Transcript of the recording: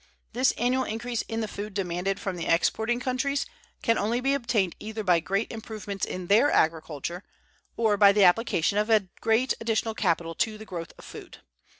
This annual increase in the food demanded from the exporting countries can only be obtained either by great improvements in their agriculture, or by the application of a great additional capital to the growth of food.